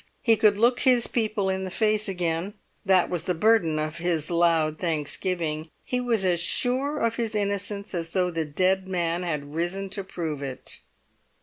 He could look his people in the face again; that was the burden of his loud thanksgiving. He was as sure of his innocence as though the dead man had risen to prove it.